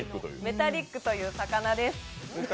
メタリックという魚です。